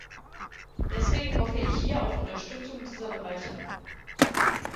Deswegen hoffe ich hier auf Unterstützung dieser Bereiche.